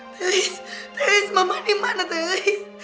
t e i s t e i s mama dimana t e i s